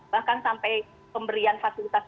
bahkan sampai pemberian fasilitas